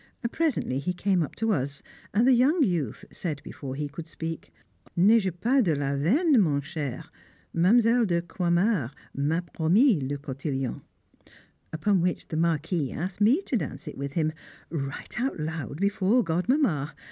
Presently he came up to us, and the young youth said before he could speak: "N'ai je pas de la veine, mon cher, Mlle. de Croixmare m'a promis le cotillon." Upon which the Marquis asked me to dance it with him right out loud before Godmamma!